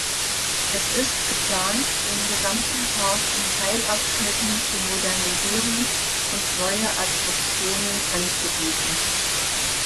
Es ist geplant den gesamten Park in Teilabschnitten zu modernisieren und neue Attraktionen anzubieten.